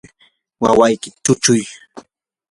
wawaykita chuchuy.